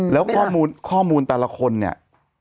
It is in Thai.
แล้วข้อมูลข้อมูลแต่ละคนเนี่ย